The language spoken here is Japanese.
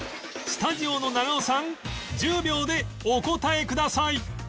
スタジオの長尾さん１０秒でお答えください